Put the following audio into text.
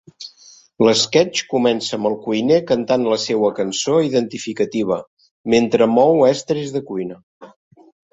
L'esquetx comença amb el cuiner cantant la seua cançó identificativa, mentre mou estris de cuina.